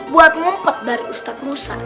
buat ngumpet dari ustadz musa